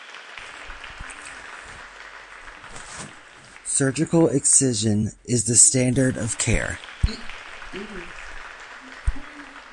Surgical excision is the standard of care.